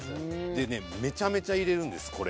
でねめちゃめちゃ入れるんですこれ。